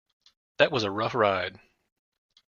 That was a rough ride.